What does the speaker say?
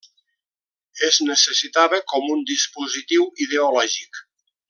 Es necessitava com un dispositiu ideològic.